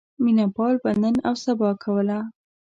مینه پال به نن اوسبا کوله.